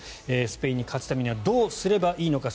スペインに勝つためにはどうすればいいのか。